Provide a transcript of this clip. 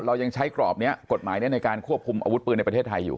เรายังใช้กรอบนี้กฎหมายในการควบคุมอาวุธปืนในประเทศไทยอยู่